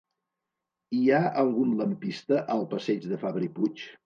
Hi ha algun lampista al passeig de Fabra i Puig?